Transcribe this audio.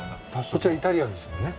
こちらイタリアンですもんね。